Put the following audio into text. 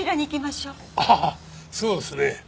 ああそうですね。